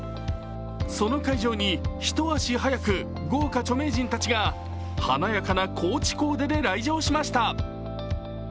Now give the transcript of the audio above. その会場に一足早く豪華著名人たちが華やかなＣＯＡＣＨコーデで来場しました。